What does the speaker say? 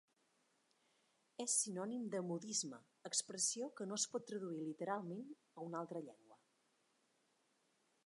És sinònim de modisme, expressió que no es pot traduir literalment a una altra llengua.